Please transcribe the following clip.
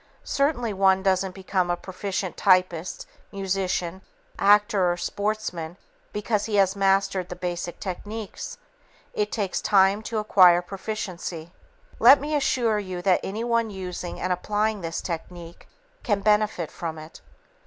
Certainly, one doesn't become a proficient typist, musician, actor or sportsman because he has mastered the basic techniques. It takes time to acquire proficiency. Let me assure you that anyone using and applying this technique can benefit from it.